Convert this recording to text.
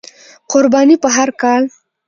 قرباني په هر کال،